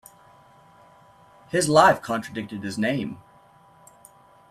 His life contradicted his name.